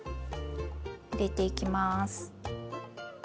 入れていきます。